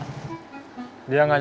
terima kasih pak